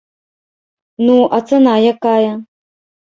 Ну, а цана якая?